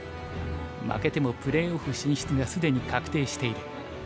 負けてもプレーオフ進出が既に確定している。